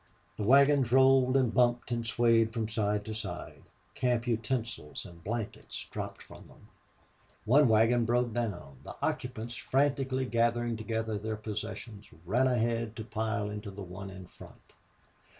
The wagons rolled and bumped and swayed from side to side; camp utensils and blankets dropped from them. One wagon broke down. The occupants, frantically gathering together their possessions, ran ahead to pile into the one in front.